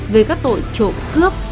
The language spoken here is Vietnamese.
về các tội trộm cướp